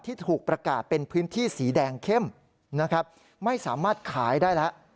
ถูกประกาศเป็นพื้นที่สีแดงเข้มนะครับไม่สามารถขายได้แล้ว